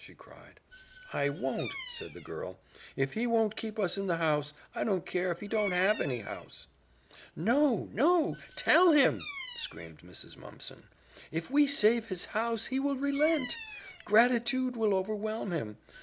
she cried. "I won't," said the girl. "If he won't keep us in the house, I don't care if he don't have any house." "No, no, tell him!" screamed Mrs. Mumpson. "If we save his house he will relent. Gratitude will overwhelm him.